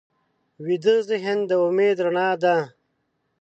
ویده ذهن د امید رڼا ده